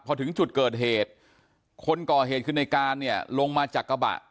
พอถึงจุดเกิดเหตุคนก่อเหตุคือในการเนี่ยลงมาจากกระบะ